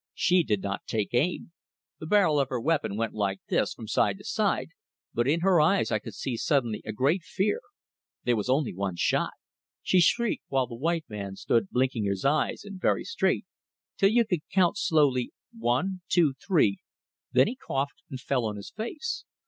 She did not take aim. The barrel of her weapon went like this from side to side, but in her eyes I could see suddenly a great fear. There was only one shot. She shrieked while the white man stood blinking his eyes and very straight, till you could count slowly one, two, three; then he coughed and fell on his face.